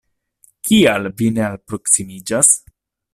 Kial vi ne alproksimiĝas?